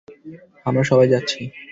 আমরা সবাই যাচ্ছি।